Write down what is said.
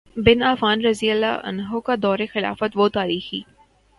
بن Affan رضی اللہ عنہ کا دور خلافت وہ تاریخی